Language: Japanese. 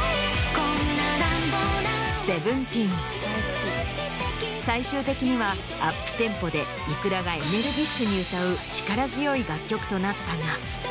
こんな乱暴な最終的にはアップテンポでｉｋｕｒａがエネルギッシュに歌う力強い楽曲となったが。